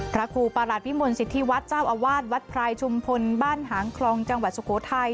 พระครูประหลัดวิมลสิทธิวัฒน์เจ้าอาวาสวัดพรายชุมพลบ้านหางคลองจังหวัดสุโขทัย